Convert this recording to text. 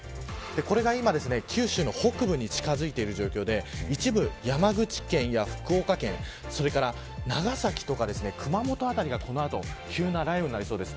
これが今、九州の北部に近づいている状況で一部、山口県や福岡県それから長崎や熊本辺りで急な雷雨になりそうです。